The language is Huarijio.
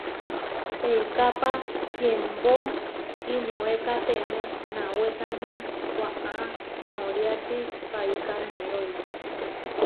Eikápa tiembo iʼnoekatemé nawésamia waʼá noriači paiká nerói.